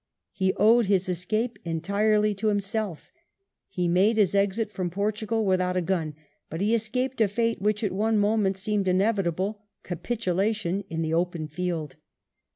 He owed his escape entirely to himself ; he made his exit from Portugal without a gun, but he escaped a fate which, at one moment, seemed inevitable — capitulation in the open field.